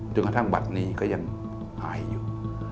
กระทั่งบัตรนี้ก็ยังหายอยู่